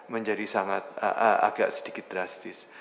menjadi sangat agak sedikit drastis